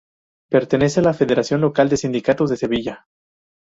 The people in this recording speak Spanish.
Pertenece a la federación local de sindicatos de Sevilla.